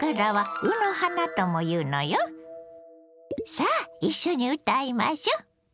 さあ一緒に歌いましょ。